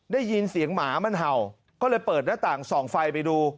ได้ยินเสียงหมามันเห่าก็เลยเปิดหน้าต่างส่องไฟไปดู